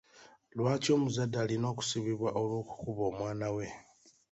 Lwaki omuzadde alina okusibibwa olw'okukuba omwana we?